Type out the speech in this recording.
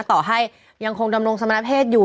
ต่อให้ยังคงดำรงสมณเพศอยู่